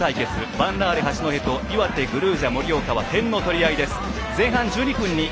ヴァンラーレ八戸といわてグルージャ盛岡は点の取り合いです。